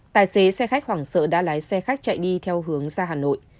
tài xế xe khách hoảng sợ đã lái xe khách chạy đi theo hướng ra hà nội